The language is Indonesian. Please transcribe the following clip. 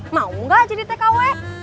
mau gak jadi tkw